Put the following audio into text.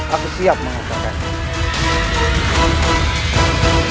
aku siap mengakukannya